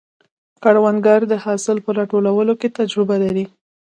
کروندګر د حاصل په راټولولو کې تجربه لري